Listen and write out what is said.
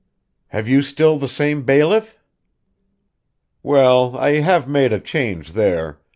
"Have you still the same bailiff?" "Well, I have made a change there.